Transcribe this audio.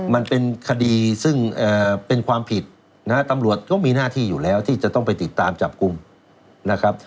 มันเป็นคดีซึ่งเป็นความผิดนะฮะตำรวจก็มีหน้าที่อยู่แล้วที่จะต้องไปติดตามจับกลุ่มนะครับ